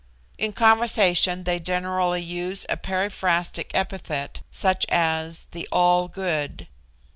In conversation they generally use a periphrastic epithet, such as the All Good.